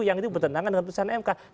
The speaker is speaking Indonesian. yang itu bertentangan dengan putusan mk